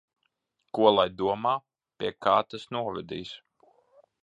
Ko lai domā? Pie kā tas novedīs?